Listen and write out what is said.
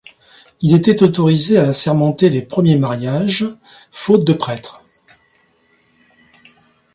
Il était autorisé à assermenter les premiers mariages, faute de prêtre.